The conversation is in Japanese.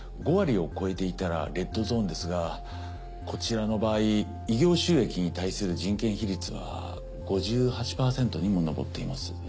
５割を超えていたらレッドゾーンですがこちらの場合医業収益に対する人件費率は５８％にも上っています。